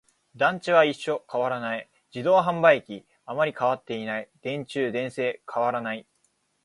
団地は一緒、変わらない。自動販売機、あまり変わっていない。電柱、電線、変わらない。